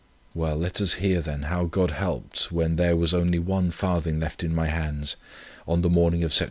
Well, let us hear then, how God helped when there was only one farthing left in my hands, on the morning of Sept.